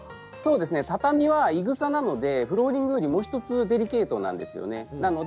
畳は、いぐさなのでフローリングよりももう１つデリケートなんですね。